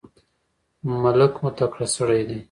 ملک مو تکړه سړی دی.